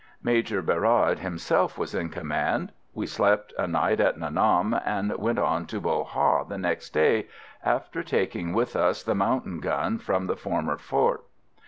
Major Berard himself was in command. We slept a night at Nha Nam, and went on to Bo Ha the next day, after taking with us the mountain gun from the former fort.